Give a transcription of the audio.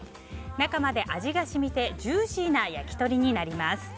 中まで味が染みてジューシーな焼き鳥になります。